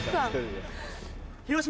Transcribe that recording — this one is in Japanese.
広島